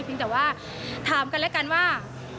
เพียงแต่ว่าถามกันและกันว่า